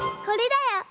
これだよ。